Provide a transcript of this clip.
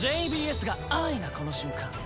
ＪＢＳがＩなこの瞬間。